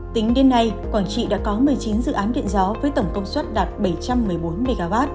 tính đến nay quảng trị đã có một mươi chín dự án điện gió với tổng công suất đạt bảy trăm một mươi bốn mw